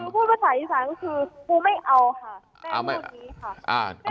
คือพูดภาษาอินสารก็คือคุณไม่เอาค่ะแม่พูดนี้ค่ะ